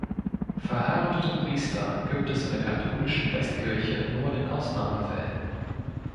Verheiratete Priester gibt es in der katholischen Westkirche nur in Ausnahmefällen.